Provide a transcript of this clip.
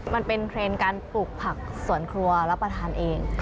มันเป็นเทรนด์การปลูกผักสวนครัวรับประทานเอง